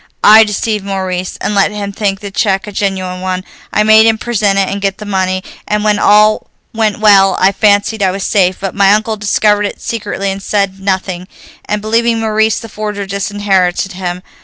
I deceived Maurice, and let him think the check a genuine one; I made him present it and get the money, and when all went well I fancied I was safe. But my uncle discovered it secretly, said nothing, and, believing Maurice the forger, disinherited him.